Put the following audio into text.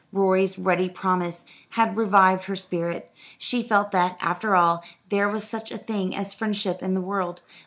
Rorie's ready promise had revived her spirit. She felt that, after all, there was such a thing as friendship in the world.